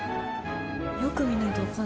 ・よく見ないと分かんない。